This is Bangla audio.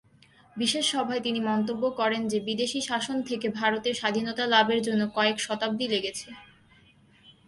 বিশেষ সভায় তিনি মন্তব্য করেন যে, বিদেশী শাসন থেকে ভারতের স্বাধীনতা লাভের জন্য কয়েক শতাব্দী লেগেছে।